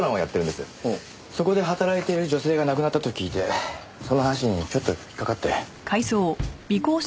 そこで働いている女性が亡くなったと聞いてその話にちょっと引っ掛かって。